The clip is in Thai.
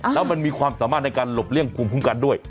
แล้วมันมีความสามารถในการหลบเลี่ยงภูมิคุ้มกันด้วย